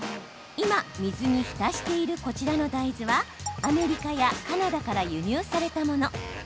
今、水に浸しているこちらの大豆はアメリカやカナダから輸入されたもの。